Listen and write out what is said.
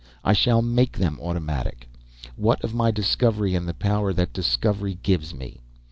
I shall make them automatic, what of my discovery and the power that discovery gives me.